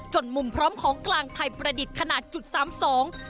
มุมพร้อมของกลางไทยประดิษฐ์ขนาดจุดสามสอง